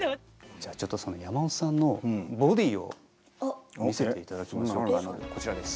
じゃあちょっとその山本さんのボディーを見せていただきましょうかこちらです。